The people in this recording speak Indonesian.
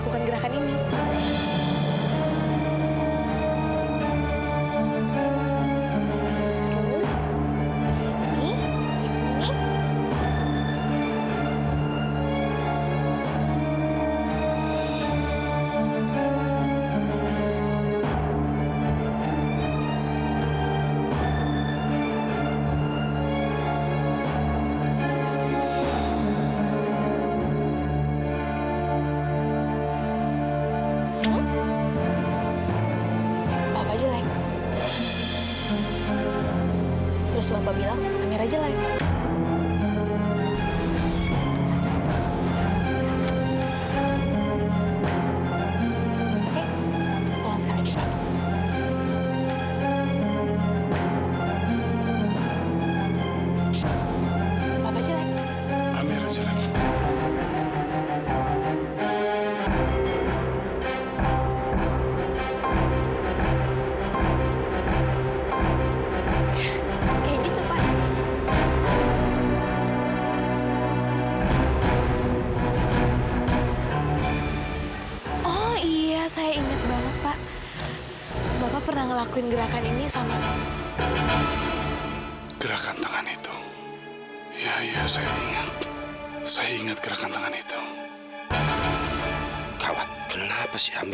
untuk selamat menikmati